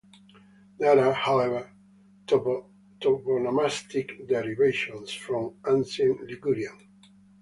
There are, however, toponomastic derivations from ancient Ligurian.